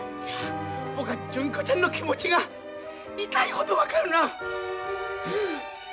僕は純子ちゃんの気持ちが痛いほど分かるな。